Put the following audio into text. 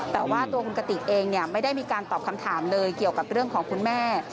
แต่ว่าตัวคุณกติกเองไม่ได้มีการตอบคำถามเลยเกี่ยวกับเรื่องของคุณแม่